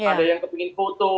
ada yang kepingin foto